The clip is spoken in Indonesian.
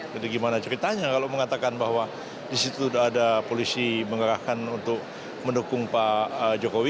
jadi bagaimana ceritanya kalau mengatakan bahwa di situ ada polisi menggerakkan untuk mendukung pak jokowi